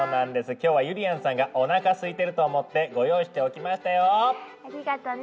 きょうはゆりやんさんがおなかすいてると思ってご用意しておきましたよ。ありがとね。